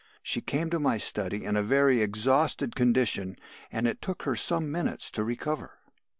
She came to my study in a very exhausted condition, and it took her some minutes to recover.